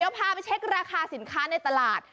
เดี๋ยวพาไปเช็คราคาสินค้าในตลาด